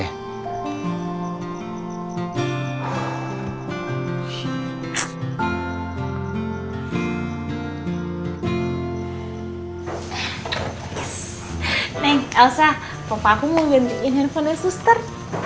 neng elsa papa aku mau gantiin handphonenya suster